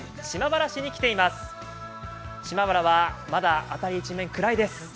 島原はまだ辺り一面暗いです。